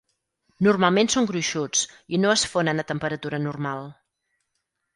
Normalment són gruixuts i no es fonen a temperatura normal.